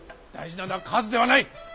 大事なのは数ではない。